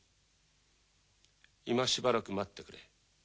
今しばらく待ってくれ。